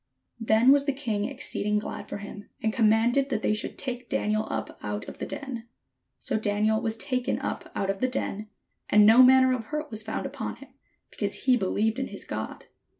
Then was the king exceeding glad for him, and com manded that they should take Daniel up out of the den. So Daniel was taken up out of the den, and no man ner of hurt was found upon him, because he believed in his God.